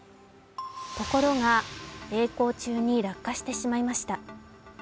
ところが曳航中に落下してしまいました。